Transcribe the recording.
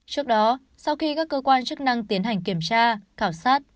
trước đó sau khi các cơ quan chức năng tiến hành kiểm tra khảo sát